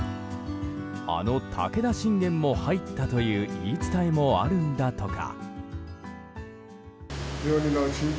あの武田信玄も入ったという言い伝えもあるんだとか。